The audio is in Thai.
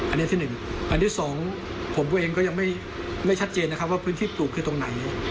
อันนี้ที่๑อันที่๒ผมก็เองก็ยังไม่ชัดเจนนะครับว่าพื้นที่ปลูกคือตรงไหน